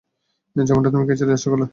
যেমনটা তুমি খেয়েছিলে আজ সকালে।